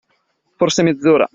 Forse mezz’ora.